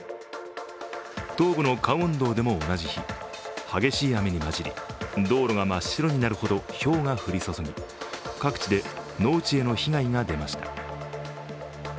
東部のカンウォンドでも同じ日、激しい雨に交じり、道路が真っ白になるほどひょうが降り注ぎ各地で農地への被害が出ました。